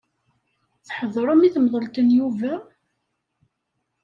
Tḥeḍrem i temḍelt n Yuba?